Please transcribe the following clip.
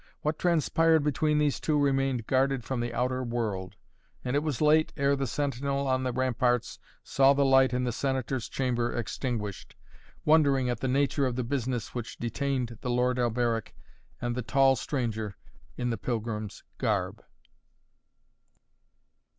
What transpired between these two remained guarded from the outer world, and it was late ere the sentinel on the ramparts saw the light in the Senator's chamber extinguished, wondering at the nature of the business which detained the lord Alberic and the tall stranger in the pilgrim's garb.